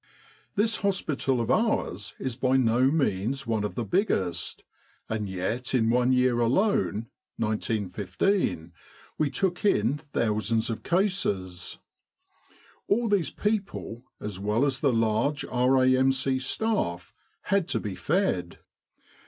"This hospital of ours is by no means one of the biggest, and yet in 'one year alone, 1915, we took in thousands of cases. All these people as well as the large R.A.M.C. staff had to be fed.